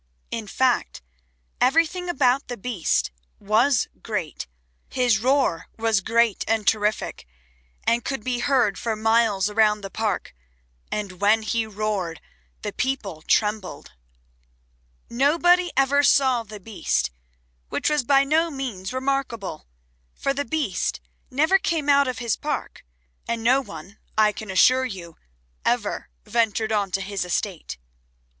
In fact everything about the Beast was great; his roar was great and terrific and could be heard for miles around the park, and when he roared the people trembled. Nobody ever saw the Beast, which was by no means remarkable, for the Beast never came out of his Park, and no one, I can assure you, ever ventured on to his estate.